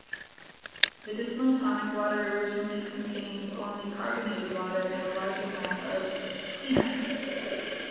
Medicinal tonic water originally contained only carbonated water and a large amount of quinine.